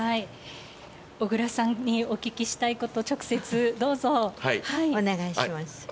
小倉さんにお聞きしたいこと、お願いします。